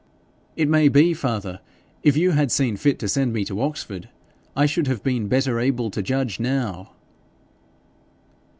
'It may be, father, if you had seen fit to send me to Oxford, I should have been better able to judge now.'